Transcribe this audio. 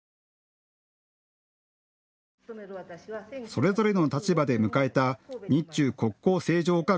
それぞれの立場で迎えた日中国交正常化